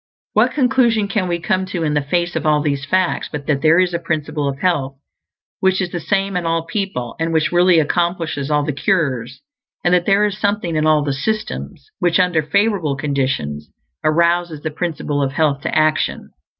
What conclusion can we come to in the face of all these facts but that there is a Principle of Health which is the same in all people, and which really accomplishes all the cures; and that there is something in all the "systems" which, under favorable conditions, arouses the Principle of Health to action?